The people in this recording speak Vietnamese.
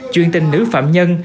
chuyên tình nữ phạm nhân